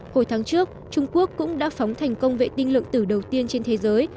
hồi tháng trước trung quốc cũng đã phóng thành công vệ tinh lượng tử đầu tiên trên thế giới